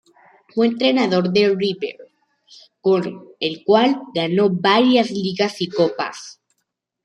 Fue entrenador de River, con el cual ganó varias ligas y copas.